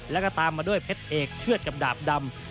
แล้วก็ตามมาด้วยเพชรเอกเชื่อดกับดาบดำ